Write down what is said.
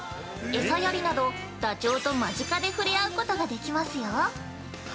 餌やりなど、ダチョウと間近でふれあうことができますよ。